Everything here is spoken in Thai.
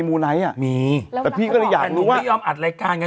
มูไนท์อ่ะมีแต่พี่ก็เลยอยากรู้ว่าไม่ยอมอัดรายการไง